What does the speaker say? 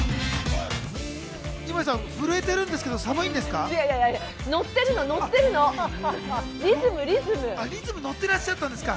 井森さん、震えてるんですけど寒いんですか？